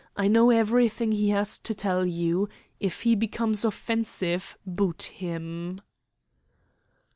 I know everything he has to tell you. If he becomes offensive, boot him."